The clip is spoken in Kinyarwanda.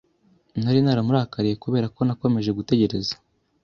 Nari naramurakariye kubera ko nakomeje gutegereza.